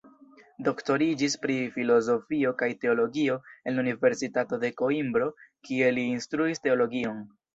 Doktoriĝis pri filozofio kaj teologio en la Universitato de Koimbro, kie li instruis teologion.